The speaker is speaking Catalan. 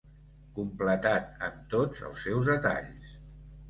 Completat en tots els seus detalls.